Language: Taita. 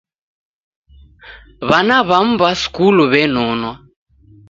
W'ana w'amu w'a skulu w'enonwa.